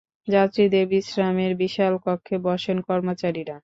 যাত্রীদের বিশ্রামের বিশাল কক্ষে বসেন কর্মচারীরা।